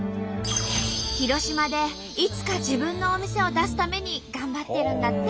広島でいつか自分のお店を出すために頑張ってるんだって。